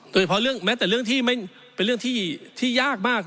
โดยเฉพาะเรื่องแม้แต่เรื่องที่ยากมาก